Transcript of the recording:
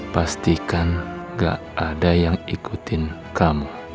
pastikan gak ada yang ikutin kamu